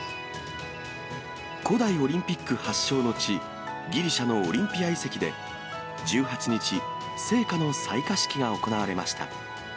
古代オリンピック発祥の地、ギリシャのオリンピア遺跡で１８日、聖火の採火式が行われました。